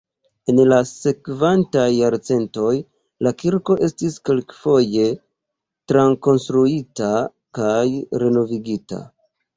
En la sekvantaj jarcentoj la kirko estis kelkfoje trakonstruita kaj renovigita.